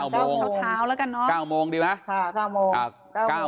ประมาณเช้าแล้วกันนะ